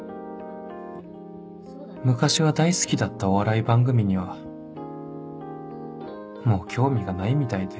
昔は大好きだったお笑い番組にはもう興味がないみたいで